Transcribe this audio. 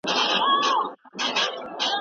ایا د مقالي لیکل ستا لپاره اسانه دي؟